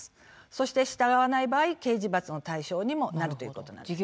そして従わない場合刑事罰の対象にもなるということなんですね。